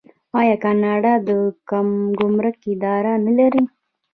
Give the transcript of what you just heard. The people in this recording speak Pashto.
آیا کاناډا د ګمرک اداره نلري؟